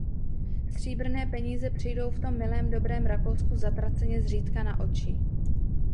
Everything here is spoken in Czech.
Stříbrné peníze přijdou v tom milém dobrém Rakousku zatraceně zřídka na oči.